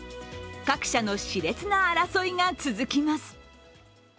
各社のしれつな争いが続きます。